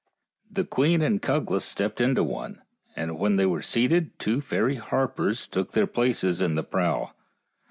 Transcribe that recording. The queen and Cuglas stepped into one, and when they were seated two fairy harpers took their places in the prow.